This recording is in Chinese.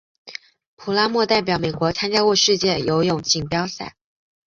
普拉默代表美国参加过世界游泳锦标赛。